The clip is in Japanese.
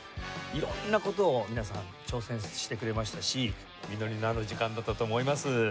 色んな事を皆さん挑戦してくれましたし実りのある時間だったと思います。